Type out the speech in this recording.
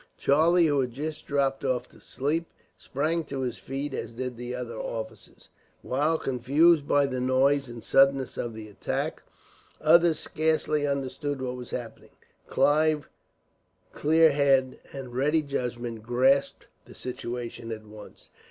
Charlie, who had just dropped off to sleep, sprang to his feet, as did the other officers. While, confused by the noise and suddenness of the attack, others scarcely understood what was happening, Clive's clear head and ready judgment grasped the situation at once.